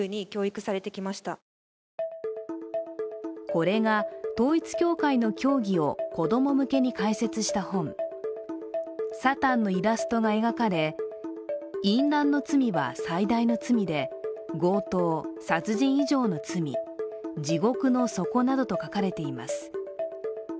これが統一教会の教義を子供向けに解説した本サタンのイラストが描かれ淫乱の罪は最大の罪で強盗・殺人以上の罪、地獄の底などと書かれています。